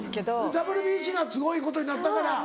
ＷＢＣがすごいことになったから。